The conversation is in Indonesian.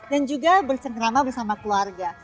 dan juga bercengkerama bersama keluarga